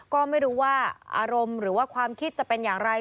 ก็ไม่รู้ว่าอารมณ์หรือว่าความคิดจะเป็นอย่างไร